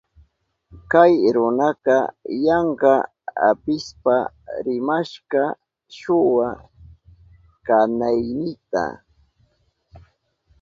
Kay runaka yanka apishpa rimashka shuwa kanaynita.